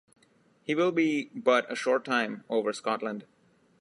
He will be but a short time over Scotland.